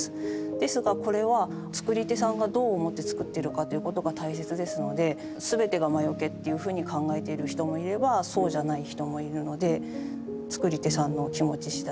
ですがこれは作り手さんがどう思って作ってるかということが大切ですので全てが魔よけっていうふうに考えてる人もいればそうじゃない人もいるので作り手さんの気持ち次第。